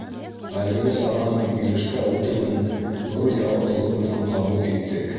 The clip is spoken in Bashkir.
— Әлеге сараның Илештә үтеүен ҙур яуаплылыҡ менән ҡабул иттек.